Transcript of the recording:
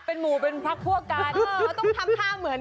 เป็นมูเป็นภักพวกกัน